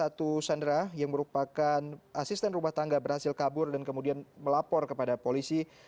kami juga juga menerima informasi dari ksatria yang merupakan asisten rumah tangga berhasil kabur dan kemudian melapor kepada polisi